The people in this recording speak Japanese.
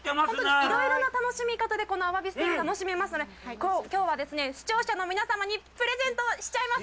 いろいろな楽しみ方でこのアワビステーキを楽しめますので、きょうは視聴者の皆様にプレゼントしちゃいます！